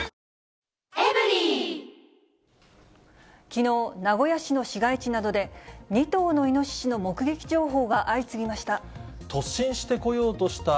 きのう、名古屋市の市街地などで、２頭のイノシシの目撃情報が相次ぎました。